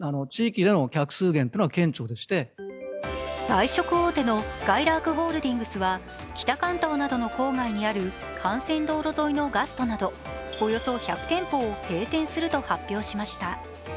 外食大手のすかいらーくホールディングスは北関東などの郊外にある幹線道路沿いのガストなど、およそ１００店舗を閉店すると発表しました。